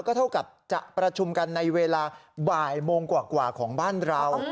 เท่ากับจะประชุมกันในเวลาบ่ายโมงกว่าของบ้านเรา